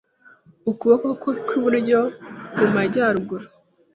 Ukuboko kwe kwiburyo mu majyaruguru